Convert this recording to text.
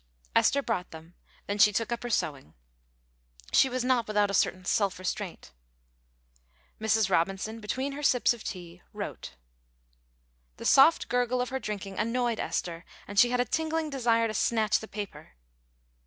Esther brought them; then she took up her sewing. She was not without a certain self restraint. Mrs. Robinson, between her sips of tea, wrote. The soft gurgle of her drinking annoyed Esther, and she had a tingling desire to snatch the paper.